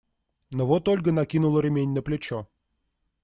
Но вот Ольга накинула ремень на плечо.